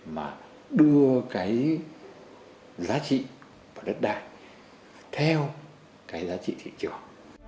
mà đưa cái giá trị vào đất đai theo cái giá trị thị trường